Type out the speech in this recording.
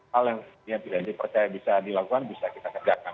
hal yang tidak dipercaya bisa dilakukan bisa kita kerjakan